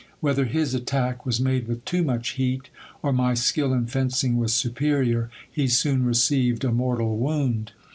Whether his attack was made with too much heat, or my skill in fencing was superior, he soon received a mortal wound.